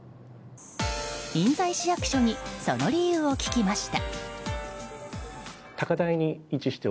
印西市役所にその理由を聞きました。